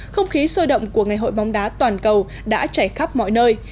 không khí sôi động của ngày hội bóng đá toàn cầu đã chảy khắp mọi nơi